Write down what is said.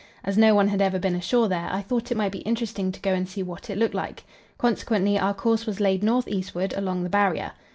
As no one had ever been ashore there, I thought it might be interesting to go and see what it looked like. Consequently our course was laid north eastward along the Barrier.